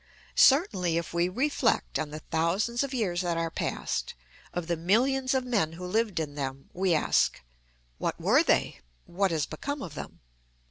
Certainly, if we reflect on the thousands of years that are past, of the millions of men who lived in them, we ask, What were they? what has become of them?